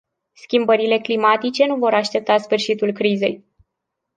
Schimbările climatice nu vor aștepta sfârșitul crizei.